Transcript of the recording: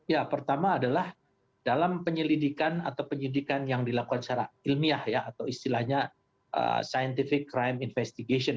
ya pertama adalah dalam penyelidikan atau penyidikan yang dilakukan secara ilmiah ya atau istilahnya scientific crime investigation